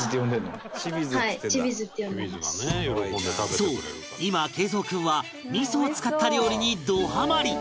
そう今敬蔵君は味噌を使った料理にどハマり！